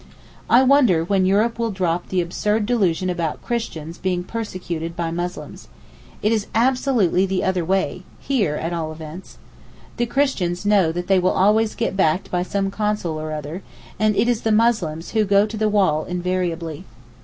I wonder when Europe will drop the absurd delusion about Christians being persecuted by Muslims. It is absolutely the other way,—here at all events. The Christians know that they will always get backed by some Consul or other, and it is the Muslims who go to the wall invariably.